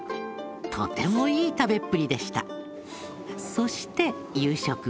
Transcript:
とてもいい食べっぷりでした。